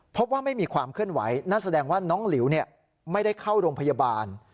พบว่าไม่มีความเคลื่อนไหวนั่นแสดงว่าน้องหลิวไม่ได้เข้าโรงพยาบาล